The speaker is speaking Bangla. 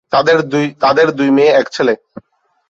তাদের দুই মেয়ে এক ছেলে।